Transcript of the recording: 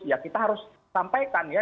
ya kita harus sampaikan ya